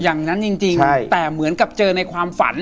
อย่างนั้นจริงแต่เหมือนกับเจอในความฝัน